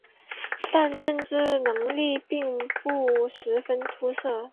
但政治能力并不十分出色。